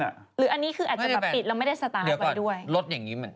หรืออันนี้อาจจะปิดแล้วไม่ได้สะสำร้างไว้ด้วย